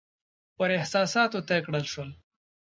پر احساساتو طی کړای شول.